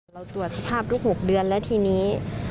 เราตรวจสภาพลูก๖เดือนแล้วทีนี้